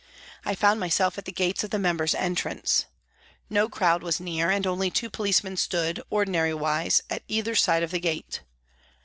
I found myself at the gates of the members' entrance. No crowd was near and only two policemen stood, ordinary wise, at either side of the gate.